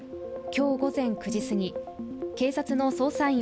今日午前９時すぎ、警察の捜査員